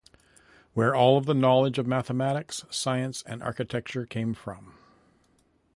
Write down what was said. Where all of the knowledge of mathematics, science and architecture came from.